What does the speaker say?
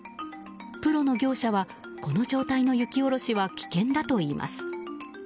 プロの業者はこの状態の雪下ろしは危険だといいます。